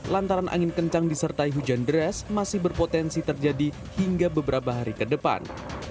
lantaran angin kencang disertai hujan deras masih berpotensi terjadi hingga beberapa hari ke depan